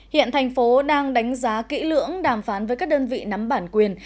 hiện thành phố đang đánh giá kỹ lưỡng đàm phán với các đơn vị nắm bản quyền